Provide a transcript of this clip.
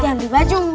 jangan di baju